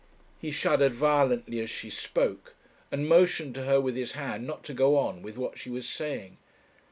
He shuddered violently as she spoke, and motioned to her with his hand not to go on with what she was saying.